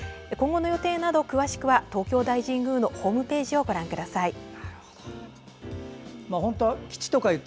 今後の予定など詳しくは、東京大神宮のホームページをご覧ください。